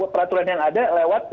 peraturan yang ada lewat